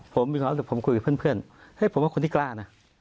ผมคุยกับเพื่อนผมว่าคนที่กล้านะ